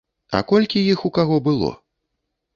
А колькі іх у каго было?